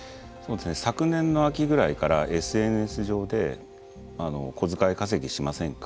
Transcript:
昨年の秋ぐらいからＳＮＳ上で「小遣い稼ぎしませんか？」